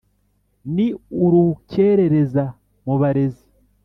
ni urukerereza mu barezi.